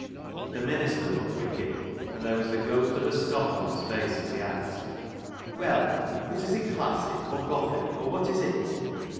The minister looked wicked, and there was the ghost of a scoff on his face as he asked —" Well, but is it classic, or Gothic, or what is it